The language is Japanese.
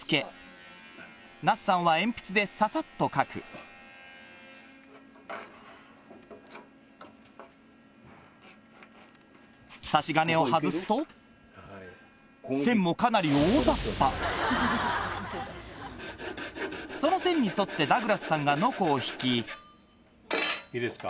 那須さんは鉛筆でササっと書く差し金を外すと線もその線に沿ってダグラスさんがノコをひきいいですか？